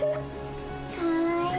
かわいい。